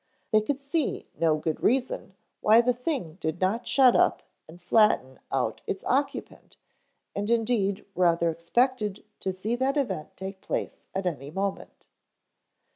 They could see no good reason why the thing did not shut up and flatten out its occupant and indeed rather expected to see that event take place at any moment.